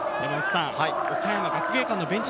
岡山学芸館のベンチ。